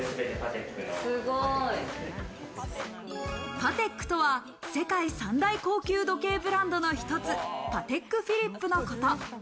パテックとは世界三大高級時計ブランドの一つ、パテックフィリップのこと。